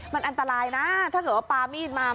มันอันตรายนะถ้าเกิดว่าปามีดมา